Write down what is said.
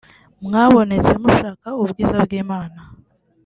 mwabonetse mushaka ubwiza bw’Imana